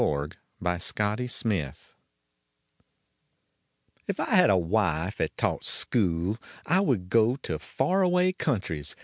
IK MY WIFE TAUCiHT SCHOOL If I had a wife at taught school I would go To far away countries.